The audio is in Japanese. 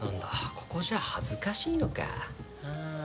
ここじゃ恥ずかしいのか。